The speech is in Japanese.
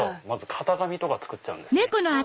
まず型紙とか作っちゃうんですね。